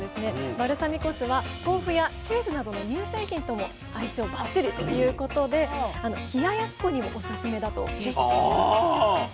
バルサミコ酢は豆腐やチーズなどの乳製品とも相性ばっちりということで冷ややっこにもおすすめだということです。